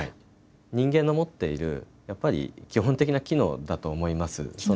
人間の持っているやっぱり基本的な機能だと思います。